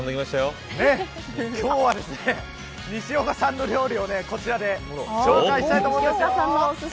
今日は、西岡さんの料理をこちらで紹介したいと思います。